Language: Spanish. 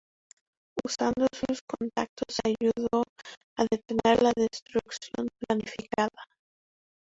Usando sus contactos ayudó a detener la destrucción planificada.